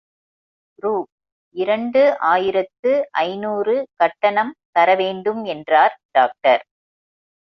ரு இரண்டு ஆயிரத்து ஐநூறு கட்டணம் தர வேண்டும் என்றார் டாக்டர்.